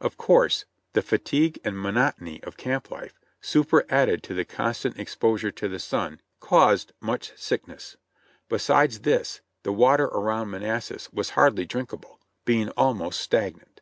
Of course the fatigue and monotony of camp life superadded to the constant exposure to the sun caused much sickness ; besides this, the water around Manassas was hardly drinkable, being almost stag nant.